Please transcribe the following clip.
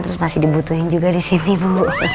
terus masih dibutuhin juga di sini bu